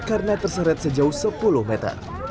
karena terseret sejauh sepuluh meter